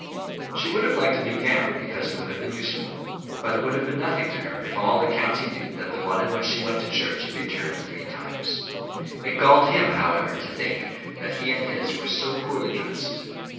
She would have liked a new gown because it would have been useful; but it would have been nothing to her if all the county knew that the one in which she went to church had been turned three times. It galled him, however, to think that he and his were so poorly dressed.